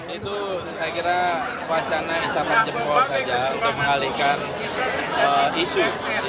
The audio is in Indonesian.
itu saya kira wacana isapan jempol saja untuk mengalihkan isu